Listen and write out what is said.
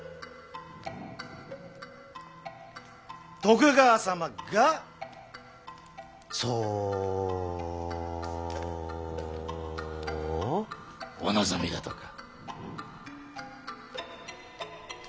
徳川様がそうお望みだとか。